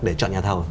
để chọn nhà thầu